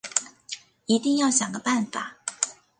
一定要想个办法